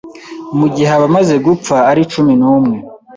mu gihe abamaze gupfa ari cumi numwe